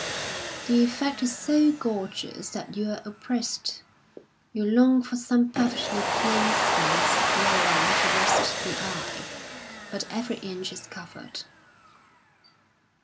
The effect is so gorgeous that you are oppressed ; you long for some perfectly plain space whereon to rest the eye ; but every inch is covered.